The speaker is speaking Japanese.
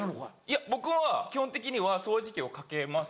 いや僕は基本的には掃除機をかけます